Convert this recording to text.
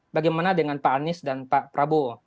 bagaimana dengan pak anies dan pak prabowo